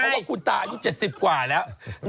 เพราะว่าคุณตาอายุ๗๐กว่าแล้ว